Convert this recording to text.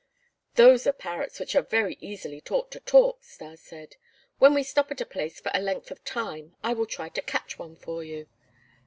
"Those are parrots which are very easily taught to talk," Stas said. "When we stop at a place for a length of time, I will try to catch one for you."